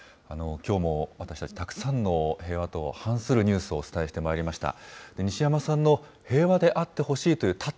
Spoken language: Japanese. きょうも私たち、たくさんの平和と反するニュースをお伝えしてまいりました。